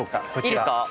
いいですか？